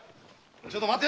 ちょいと待て！